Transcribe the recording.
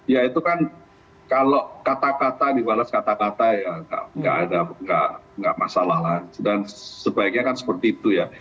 ya itu kan kalau kata kata dibalas kata kata ya nggak masalah lah dan sebaiknya kan seperti itu ya